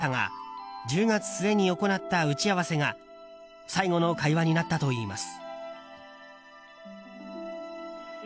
新作の制作に入る予定でしたが１０月末に行った打ち合わせが最後の会話になったといいます。